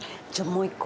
もう一個。